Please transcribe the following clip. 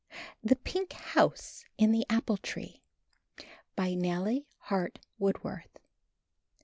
THE PINK HOUSE IN THE APPLE TREE. NELLY HART WOODWORTH.